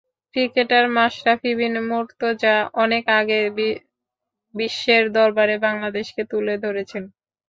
Cricketer Mashrafe Bin Mortaza অনেক আগে বিশ্বের দরবারে বাংলাদেশকে তুলে ধরেছেন।